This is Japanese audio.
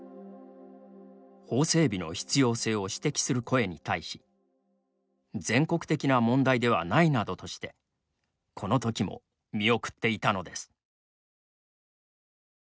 法整備の必要性を指摘する声に対し「全国的な問題ではない」などとしてこのときも見送っていたのです。